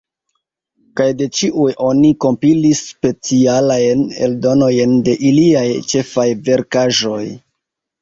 Kaj de ĉiuj oni kompilis specialajn eldonojn de iliaj ĉefaj verkaĵoj.